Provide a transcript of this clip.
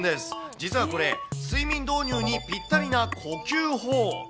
実はこれ、睡眠導入にぴったりな呼吸法。